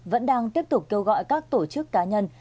vẫn đang tiếp tục kêu gọi các tổ chức cá nhân